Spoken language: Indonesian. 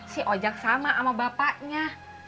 si ojek sama sama bapaknya